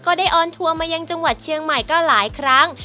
ได้ออนทัวร์มายังจังหวัดเชียงใหม่ก็หลายครั้ง